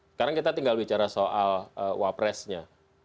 sekarang kita tinggal bicara soal wapresnya